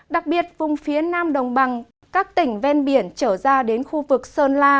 đặc biệt vùng phía nam đồng bằng các tỉnh ven biển trở ra đến khu vực sơn la